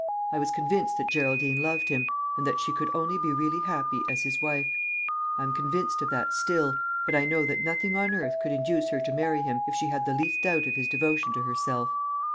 I was convinced that Geraldine loved him, and that she could only be really happy as his wife. I am convinced of that still; but I know that nothing on earth could induce her to marry him if she had the least doubt of his devotion to herself."